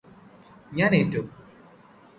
ഞാന് ഏറ്റു